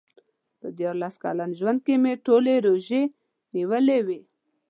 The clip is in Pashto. په دیارلس کلن ژوند کې مې ټولې روژې نیولې وې.